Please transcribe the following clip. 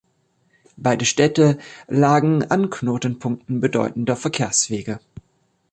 Beide Städte lagen an Knotenpunkten bedeutender Verkehrswege.